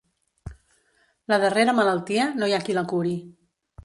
La darrera malaltia no hi ha qui la curi.